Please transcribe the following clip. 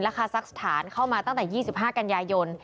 คาซักสถานเข้ามาตั้งแต่๒๕กันยายน